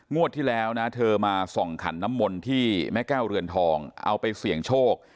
ที่แล้วนะเธอมาส่องขันน้ำมนต์ที่แม่แก้วเรือนทองเอาไปเสี่ยงโชค